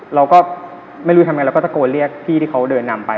เราก็ไม่รู้ทำไงเราก็ตะโกนเรียกพี่ที่เขาเดินนำไป